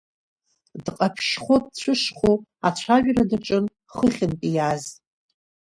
Дҟаԥшьхо-дцәышхо ацәажәара даҿын хыхьынтәи иааз.